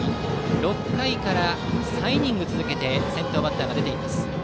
６回から３イニング続けて先頭バッターが出ています。